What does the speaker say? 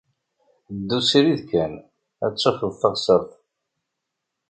Ddu srid kan, ad d-tafeḍ taɣsert.